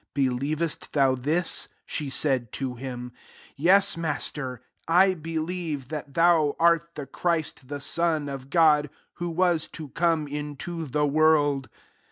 Believest thou this ? 27 She said to him, « Yes, Master, I believe that thou art the Christ, the Son of God, who was to come into the world."